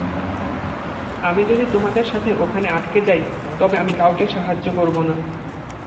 আমি যদি তোমাদের সাথে ওখানে আটকে যাই, তবে আমি কাউকে সাহায্য করব না।